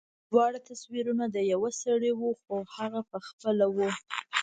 دواړه تصويرونه د يوه سړي وو هغه پخپله و.